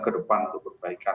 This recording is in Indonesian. ke depan untuk perbaikan